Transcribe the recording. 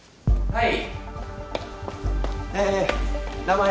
はい。